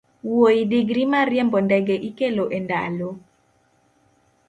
wuoyi digri mar riembo ndege ikelo e ndalo?